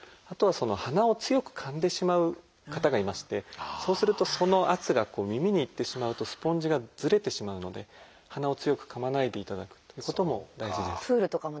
あとははなを強くかんでしまう方がいましてそうするとその圧が耳に行ってしまうとスポンジがずれてしまうのではなを強くかまないでいただくということも大事です。